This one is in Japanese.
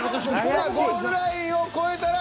さあゴールラインを越えたら。